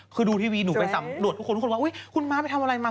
คือดูทีวีหนูไปสำรวจทุกคนทุกคนว่าอุ๊ยคุณม้าไปทำอะไรมา